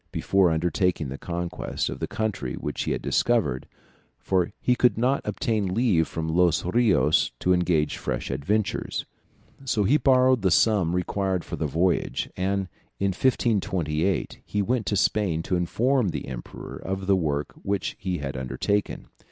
before undertaking the conquest of the country which he had discovered, for he could not obtain leave from Los Rios to engage fresh adventurers; so he borrowed the sum required for the voyage, and in 1528 he went to Spain to inform the emperor of the work which he had undertaken.